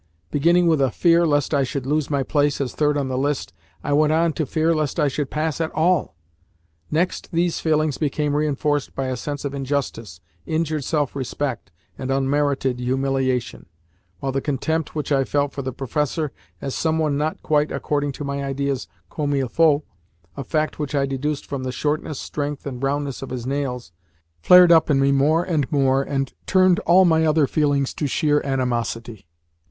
Beginning with a fear lest I should lose my place as third on the list, I went on to fear lest I should pass at all. Next, these feelings became reinforced by a sense of injustice, injured self respect, and unmerited humiliation, while the contempt which I felt for the professor as some one not quite (according to my ideas) "comme il faut" a fact which I deduced from the shortness, strength, and roundness of his nails flared up in me more and more and turned all my other feelings to sheer animosity.